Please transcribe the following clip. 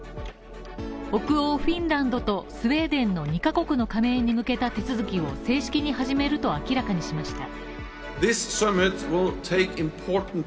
北欧フィンランドとスウェーデンの２カ国の加盟に向けた手続きを正式に始めると明らかにしました。